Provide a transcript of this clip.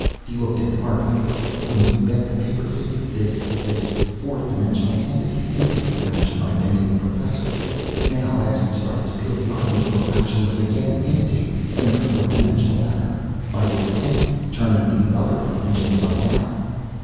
He looked at Harper. "When you bent the paper figure this this fourth dimensional entity imitated your action by bending the Professor. Now, as you started to peel the orange, your action was again imitated in a four dimensional manner by this entity turning the other orange inside out."